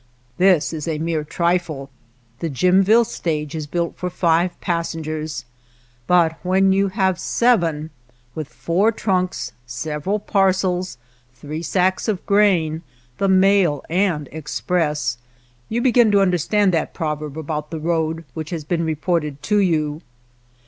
This is a mere trifle. The Jimville stage is built for five passengers, but when you have seven, with four trunks, several parcels, three sacks of grain, the mail and express, you begin to understand that proverb about the road which has been reported to you.